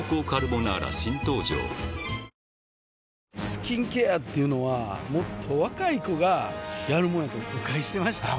スキンケアっていうのはもっと若い子がやるもんやと誤解してました